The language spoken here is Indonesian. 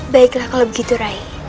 baiklah kalau begitu rai